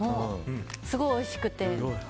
すごいおいしくて。